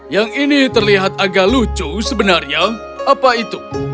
yang ini terlihat agak lucu sebenarnya apa itu